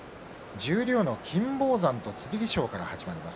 十両の金峰山と剣翔から始まります。